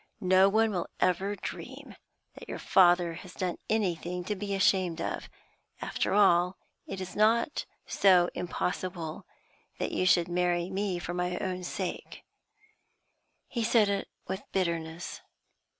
'No one will ever dream that your father has done anything to be ashamed of. After all, it is not so impossible that you should marry me for my own sake;' he said it with bitterness.